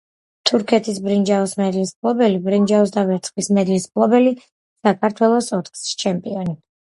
თურქეთის ბრინჯაოს მედლის მფლობელი; ბრინჯაოს და ვერცხლის მედლის მფლობელი; საქართველოს ოთხგზის ჩემპიონი.